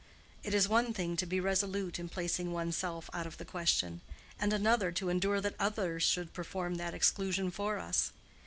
It is one thing to be resolute in placing one's self out of the question, and another to endure that others should perform that exclusion for us.